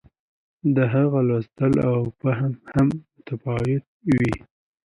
د هغه لوستل او فهم هم متفاوت وي.